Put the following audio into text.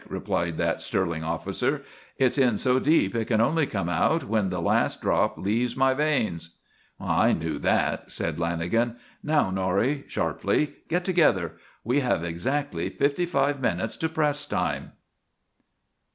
replied that sterling officer, "it's in so deep it can only come out when the last drop leaves my veins." "I knew that," said Lanagan. "Now, Norrie," sharply, "get together! We have exactly fifty five minutes to press time!"